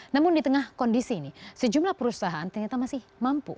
namun di tengah kondisi ini sejumlah perusahaan ternyata masih mampu